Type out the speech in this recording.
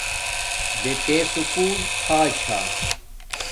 بے تے سکُول تھا چھا